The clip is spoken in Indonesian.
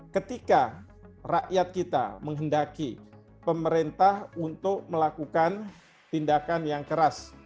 ketika rakyat kita menghendaki pemerintah untuk melakukan tindakan yang keras